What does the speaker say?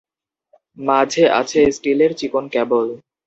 মাঝে আছে স্টিলের চিকন ক্যাবল।